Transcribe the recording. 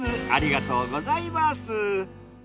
ありがとうございます。